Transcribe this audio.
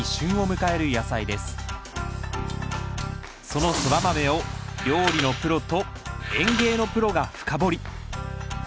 そのソラマメを料理のプロと園芸のプロが深掘り。